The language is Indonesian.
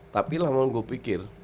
tapi lama yang gue pikir